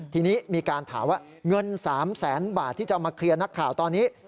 ทีนี้มีการถามว่าเงิน๓แสนบาทที่จะเอามาเคลียร์นักข่าวตอนนี้